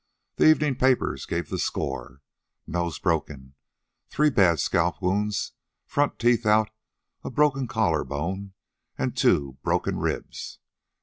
The evenin' papers gave the score: nose broken, three bad scalp wounds, front teeth out, a broken collarbone, an' two broken ribs.